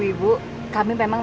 kami memang mau jalanin yang lainnya